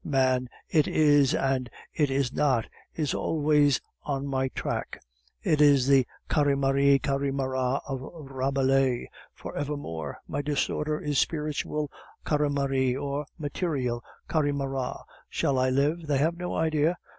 Man's 'it is,' and 'it is not,' is always on my track; it is the Carymary Carymara of Rabelais for evermore: my disorder is spiritual, Carymary, or material, Carymara. Shall I live? They have no idea.